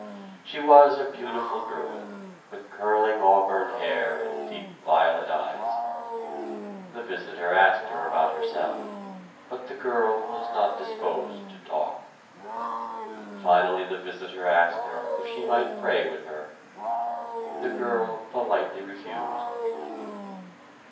She was a beautiful girl, with curling auburn hair and deep violet eyes. The visitor asked her about herself, but the girl was not disposed to talk. Finally the visitor asked her if she might pray with her. The girl politely refused.